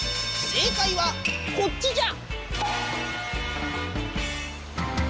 正解はこれじゃ。